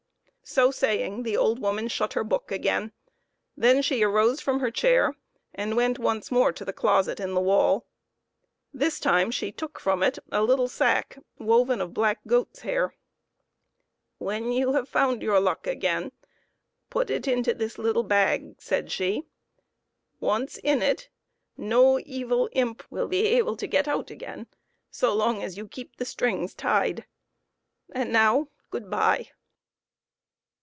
So saying, the old woman shut her book again. Then she arose from her chair and went once more to the closet in the wall. This time she took from it a little sack woven of black goat's hair. " When you have found your luck again, put it into this little bag," said she; "once in it, no evil imp will be able to get out again so long as you keep the strings tied. And now good bye